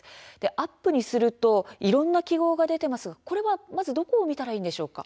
アップにするといろんな記号が出ていますがこれはまず、どこを見たらいいんでしょうか。